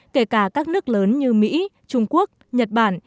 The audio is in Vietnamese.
kể cả các nước lớn như mỹ trung quốc nhật bản